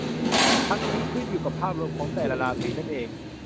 ทั้งนี้ ขึ้นอยู่กับภาพรวมของแต่ละราศีนั่นเอง